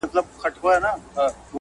که تاسي ددې ولس وینه